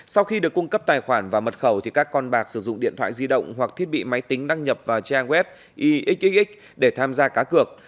sau khi được cung cấp tài khoản và mật khẩu các con bạc sử dụng điện thoại di động hoặc thiết bị máy tính đăng nhập vào trang web ixxx để tham gia cá cược